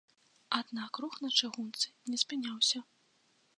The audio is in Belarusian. Аднак рух на чыгунцы не спыняўся.